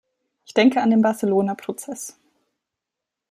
Ich denke an den Barcelona-Prozess.